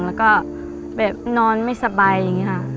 แล้วก็แบบนอนไม่สบายอย่างนี้ค่ะ